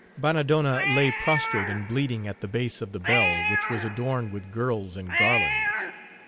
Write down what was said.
Bannadonna lay, prostrate and bleeding, at the base of the bell which was adorned with girls and garlands.